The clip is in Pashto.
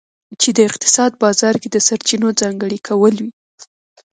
چې د اقتصاد بازار کې د سرچینو ځانګړي کول وي.